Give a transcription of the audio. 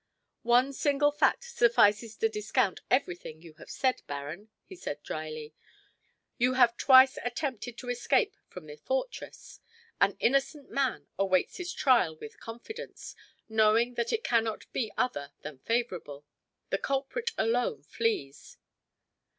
"One single fact suffices to discount everything you have said, Baron," he replied dryly. "You have twice attempted to escape from the fortress. An innocent man awaits his trial with confidence, knowing that it cannot be other than favorable. The culprit alone flees."